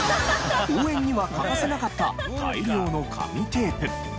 応援には欠かせなかった大量の紙テープ。